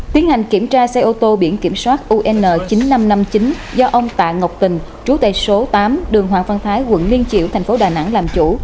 tiến hành kiểm tra xe ô tô biển kiểm soát un chín nghìn năm trăm năm mươi chín do ông tạ ngọc tình trú tại số tám đường hoàng văn thái quận liên triểu thành phố đà nẵng làm chủ